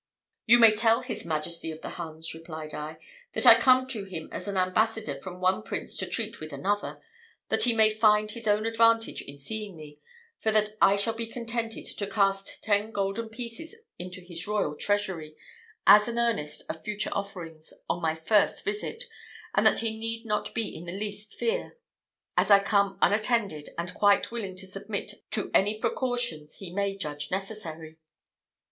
"You may tell his majesty of the Huns," replied I, "that I come to him as an ambassador from one prince to treat with another that he may find his own advantage in seeing me, for that I shall be contented to cast ten golden pieces into his royal treasury, as an earnest of future offerings, on my first visit; and that he need not be in the least fear, as I come unattended, and quite willing to submit to any precautions he may judge necessary."